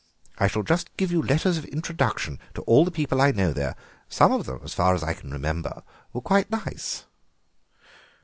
I shall just give you letters of introduction to all the people I know there. Some of them, as far as I can remember, were quite nice."